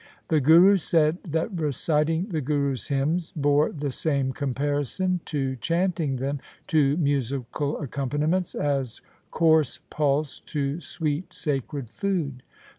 The Guru said that reciting the Gurus' hymns bore the same comparison to chanting them to musical accom paniments as coarse pulse to sweet sacred food.